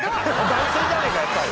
番宣じゃねえかやっぱり！